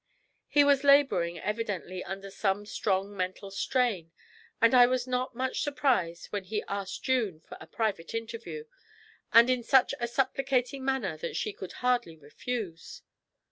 He was labouring, evidently, under some strong mental strain, and I was not much surprised when he asked June for a private interview, and in such a supplicating manner that she could hardly refuse.